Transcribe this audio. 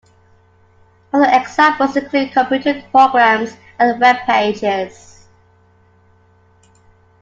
Other examples include computer programs and web pages.